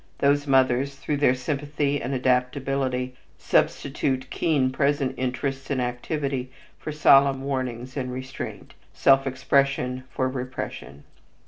Those mothers, through their sympathy and adaptability, substitute keen present interests and activity for solemn warnings and restraint, self expression for repression.